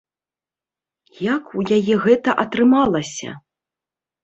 Як у яе гэта атрымалася?